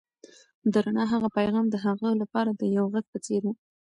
د رڼا هغه پیغام د هغه لپاره د یو غږ په څېر و.